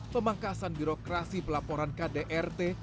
pemangkasan birokrasi pelaporan kdrt